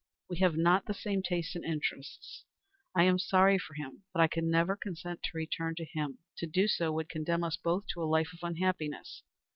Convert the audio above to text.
We have not the same tastes and interests. I am sorry for him, but I can never consent to return to him. To do so would condemn us both to a life of unhappiness.